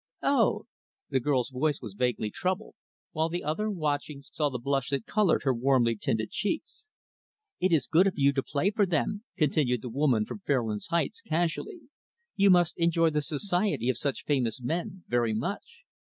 "Oh!" The girl's voice was vaguely troubled, while the other, watching, saw the blush that colored her warmly tinted cheeks. "It is good of you to play for them," continued the woman from Fairlands Heights, casually. "You must enjoy the society of such famous men, very much.